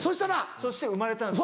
そして生まれたんです。